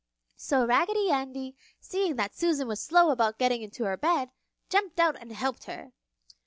So Raggedy Andy, seeing that Susan was slow about getting into her bed, jumped out and helped her.